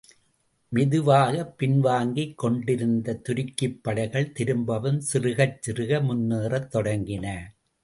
மெதுவாகப் பின்வாங்கிக் கொண்டிருந்த துருக்கிப்படைகள் திரும்பவும் சிறுகச் சிறுக முன்னேறத் தொடங்கின.